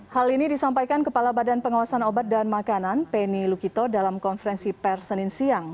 hal ini disampaikan kepala badan pengawasan obat dan makanan penny lukito dalam konferensi per senin siang